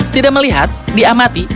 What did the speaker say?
tidak melihat diamati